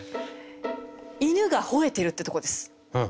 「犬が吠えてる」ってとこです。